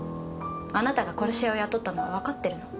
あなたが殺し屋を雇ったのはわかってるの。